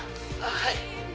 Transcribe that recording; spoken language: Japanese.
はい！